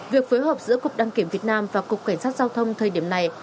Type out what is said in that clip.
việc phối hợp giữa cục đăng kiểm việt nam và cục cảnh sát giao thông thời điểm này